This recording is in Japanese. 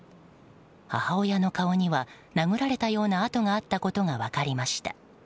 母親の顔には殴られたような痕があったことが分かりました。